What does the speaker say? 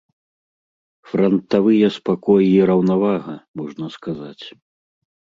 Франтавыя спакой і раўнавага, можна сказаць.